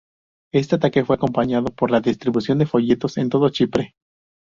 Este ataque fue acompañado por la distribución de folletos en todo Chipre.